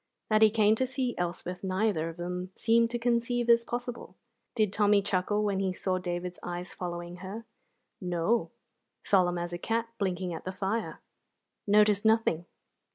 That he came to see Elspeth neither of them seemed to conceive as possible. Did Tommy chuckle when he saw David's eyes following her? No; solemn as a cat blinking at the fire; noticed nothing.